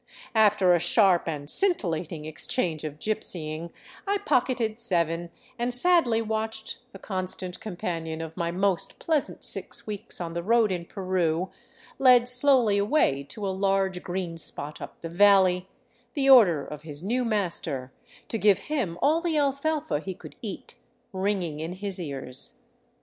After a sharp and scintillating exchange of gypsying, I pocketed seven, and sadly watched the constant companion of my most pleasant six weeks on the road in Peru led slowly away to a large green spot up the valley, the order of his new master, to give him all the alfalfa he could eat, ringing in his ears.